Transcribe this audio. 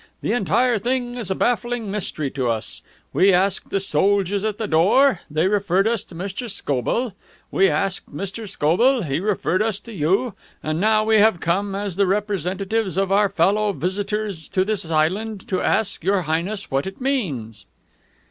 The entire thing is a baffling mystery to us. We asked the soldiers at the door. They referred us to Mr. Scobell. We asked Mr. Scobell. He referred us to you. And now we have come, as the representatives of our fellow visitors to this island, to ask Your Highness what it means!"